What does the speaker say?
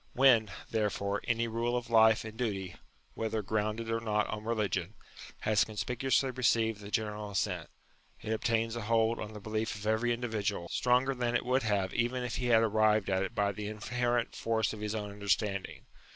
When, therefore, any rule of life and duty, whether grounded or not on religion, has conspicuously received the general assent, it obtains a hold on the belief of every individual, stronger than it would have even if he had arrived at it by the in herent force of his own understanding.